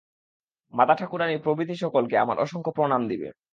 মাতাঠাকুরাণী প্রভৃতি সকলকে আমার অসংখ্য প্রণাম দিবে।